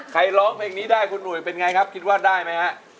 ร้องเพลงนี้ได้คุณหนุ่ยเป็นไงครับคิดว่าได้ไหมฮะ